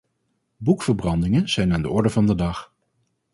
Boekverbrandingen zijn aan de orde van de dag.